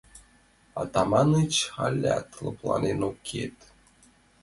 Атаманыч алят лыпланен ок керт.